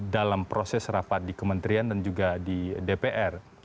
dalam proses rapat di kementerian dan juga di dpr